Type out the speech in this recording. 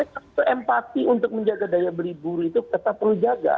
tapi empati untuk menjaga daya beli buru itu tetap perlu jaga